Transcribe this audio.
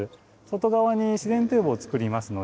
外側に自然堤防をつくりますので。